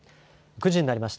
９時になりました。